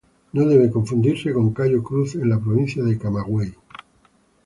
No debe confundirse con Cayo Cruz en la provincia de Camagüey.